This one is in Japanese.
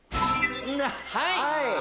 はい！